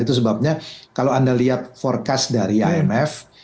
itu sebabnya kalau anda lihat forecast dari imf